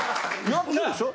やってるでしょ？